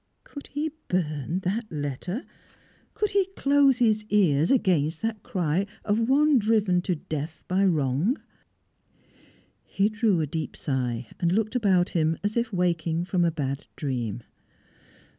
Could he burn that letter? Could he close his ears against that cry of one driven to death by wrong? He drew a deep sigh, and looked about him as if waking from a bad dream.